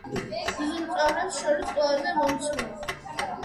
ძუძუმწოვრებს შორის ყველაზე მომცროა.